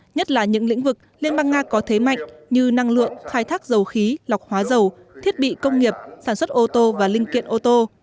nhất là những lĩnh vực liên bang nga có thế mạnh như năng lượng khai thác dầu khí lọc hóa dầu thiết bị công nghiệp sản xuất ô tô và linh kiện ô tô